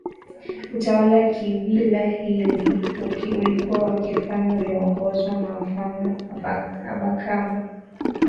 Utawala wa kibila hili ulikuwa wa kifalme ulioongozwa na wafalme Abakama